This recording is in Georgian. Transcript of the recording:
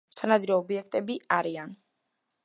სანადირო ობიექტები არიან.